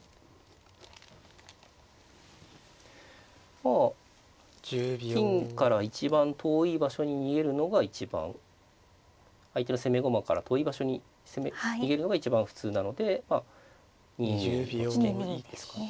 まあ金から一番遠い場所に逃げるのが一番相手の攻め駒から遠い場所に逃げるのが一番普通なのでまあ２二の地点にですかね。